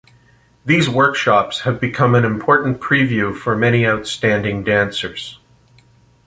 These workshops have become an important preview for many outstanding dancers.